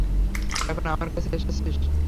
এখন আমার কাছে এসেছিস।